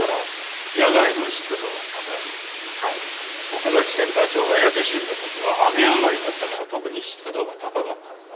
奥崎センター長が焼け死んだ時は雨上がりだったから特に湿度が高かったはずだ。